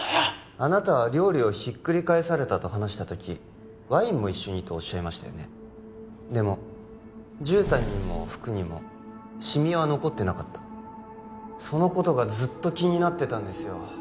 あなたは料理をひっくり返されたと話したときワインも一緒にとおっしゃいましたよねでもじゅうたんにも服にもシミは残ってなかったそのことがずっと気になってたんですよ